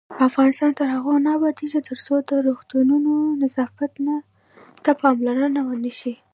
افغانستان تر هغو نه ابادیږي، ترڅو د روغتونونو نظافت ته پاملرنه ونشي.